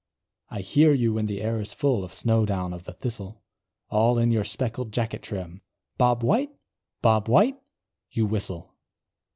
I hear you when the air is full Of snow down of the thistle; All in your speckled jacket trim, "Bob White! Bob White!" you whistle.